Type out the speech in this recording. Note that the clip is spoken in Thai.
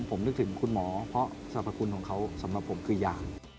ผมนึกถึงคุณหมอเพราะสรรพคุณของเขาสำหรับผมคือยา